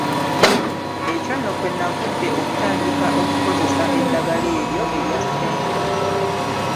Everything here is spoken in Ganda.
Ekyo nno kwe nnavudde okutandika okukozesa eddagala eryo erya Ssenga.